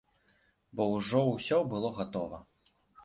Бо ўжо ўсё было гатова.